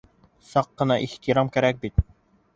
Саҡ ҡына ихтирам кәрәк бит!